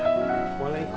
jangan lupa like